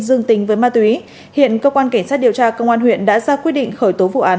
dương tính với ma túy hiện cơ quan cảnh sát điều tra công an huyện đã ra quyết định khởi tố vụ án